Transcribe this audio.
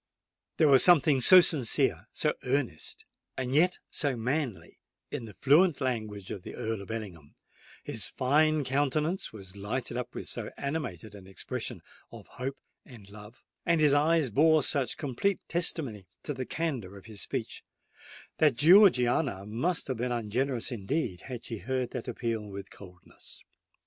There was something so sincere—so earnest—and yet so manly in the fluent language of the Earl of Ellingham,—his fine countenance was lighted up with so animated an expression of hope and love,—and his eyes bore such complete testimony to the candour of his speech,—that Georgiana must have been ungenerous indeed had she heard that appeal with coldness.